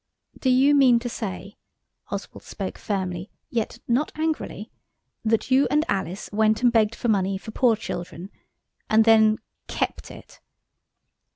"Do you mean to say"–Oswald spoke firmly, yet not angrily–"that you and Alice went and begged for money for poor children, and then kept it?"